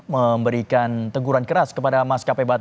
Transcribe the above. memberikan teguran untuk penerbangan pesawat rute kendari jakarta